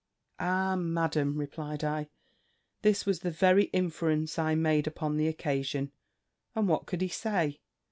"Ah! Madam," replied I, "this was the very inference I made upon the occasion." "And what could he say?"